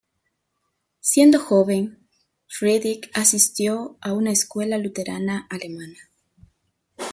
Siendo joven, Friedrich asistió a una escuela luterana alemana.